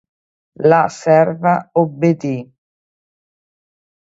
La serva obbedì.